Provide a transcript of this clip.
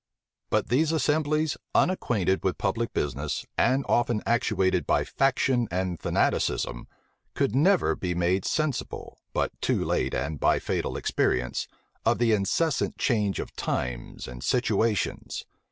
But these assemblies, unacquainted with public business, and often actuated by faction and fanaticism, could never be made sensible, but too late and by fatal experience, of the incessant change of times and situations.